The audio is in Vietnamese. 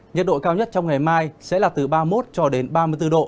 nhiệt độ cao nhất trong ngày mai sẽ là từ ba mươi một cho đến ba mươi bốn độ